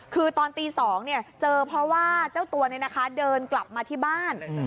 คือตอนตี๒เจอเพราะว่าเจ้าตัวเดินกลับมาที่บ้าน